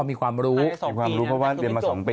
มีความรู้เพราะว่าเรียนมา๒ปี